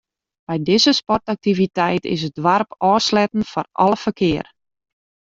By dizze sportaktiviteit is it doarp ôfsletten foar alle ferkear.